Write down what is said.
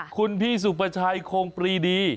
คุณพี่สุประชัยคงปรีดี